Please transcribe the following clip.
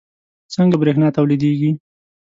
څنګه بریښنا تولیدیږي